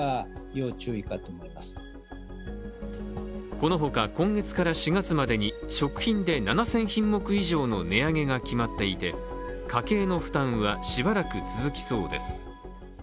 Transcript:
このほか、今月から４月までに食品で７０００品目以上の値上げが決まっていて家計の負担はしばらく続きそうです。